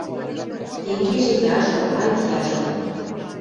— Тенгежӹ яжо... ай, яжо...